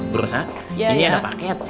berusaha ini ada paket